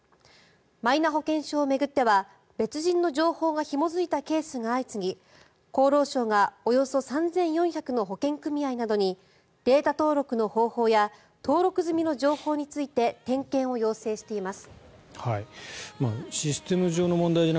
マイナ保険証を巡っては別人の情報がひも付いたケースが相次ぎ厚労省がおよそ３４００の保険組合などにデータ登録の方法や登録済みの情報について点検を要請しています。